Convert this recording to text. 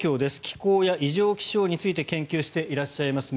気候や異常気象について研究していらっしゃいます